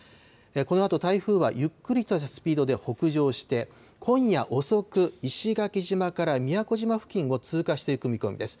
このあと台風はゆっくりとしたスピードで北上して、今夜遅く、石垣島から宮古島付近を通過していく見込みです。